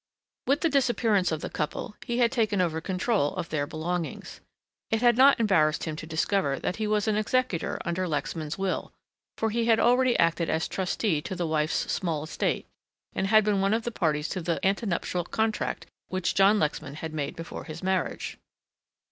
With the disappearance of the couple he had taken over control of their belongings. It had not embarrassed him to discover that he was an executor under Lexman's will, for he had already acted as trustee to the wife's small estate, and had been one of the parties to the ante nuptial contract which John Lexman had made before his marriage.